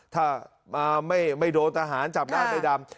ถ้าไม่โดนทหารจับได้ใบดำ